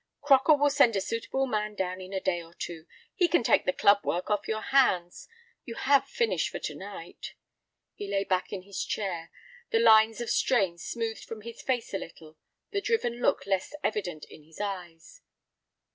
"Crocker will send a suitable man down in a day or two. He can take the club work off your hands. You have finished for to night?" He lay back in his chair, the lines of strain smoothed from his face a little, the driven look less evident in his eyes.